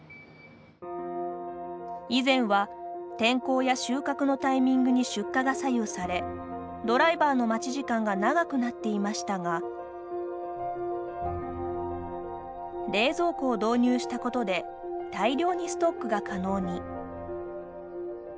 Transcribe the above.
以前は、天候や収獲のタイミングに出荷が左右されドライバーの待ち時間が長くなっていましたが冷蔵庫を導入したことで大量にストックが可能に。